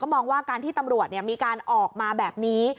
มองว่าการที่ตำรวจมีการออกมาแบบนี้